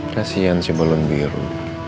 kasihan si balon biru